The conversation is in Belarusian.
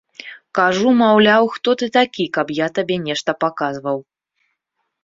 Кажу, маўляў, хто ты такі, каб я табе нешта паказваў.